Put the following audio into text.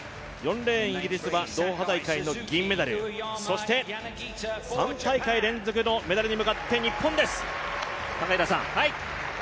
４レーンイギリスはドーハ大会の銀メダル、そして３大会連続のメダルに向かって、日本です、高平さん。